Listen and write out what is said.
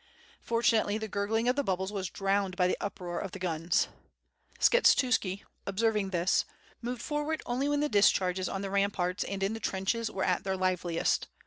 Fortunately the gurgling of the bubbles was drowned by the uproar of the guns. Skshetusfci, observing this, moved forward only when the discharges on the ramparts and in the trenches were at their liveliest.